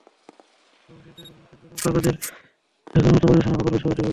অফিসের দৈনন্দিন কার্যক্রমে কাগজের ব্যবহার কমাতে পরিবেশবান্ধব প্রকল্প হিসেবেও এটি বিবেচিত হবে।